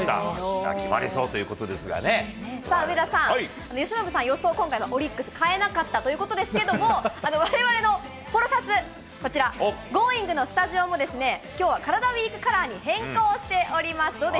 さあ、上田さん、由伸さん、予想、今回、オリックス、変えなかったということですけれども、われわれのポロシャツ、こちら、Ｇｏｉｎｇ！のスタジオも、きょうはカラダＷＥＥＫカラーに変更しております。